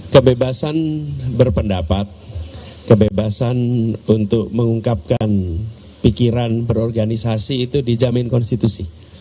kebebasan berpendapat kebebasan untuk mengungkapkan pikiran berorganisasi itu dijamin konstitusi